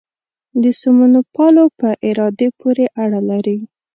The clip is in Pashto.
د سمونپالو په ارادې پورې اړه لري.